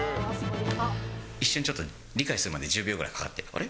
一瞬ちょっと理解するのに、１０秒ぐらいかかって、あれ？